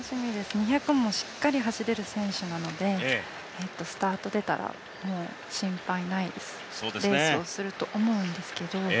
２００もしっかり走れる選手なのでスタート出たらもう心配ないレースをすると思うんですけど。